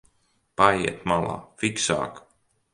Paejiet malā, fiksāk!